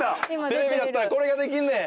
テレビだったらこれができんねん！